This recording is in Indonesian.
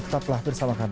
tetap lahir sama kami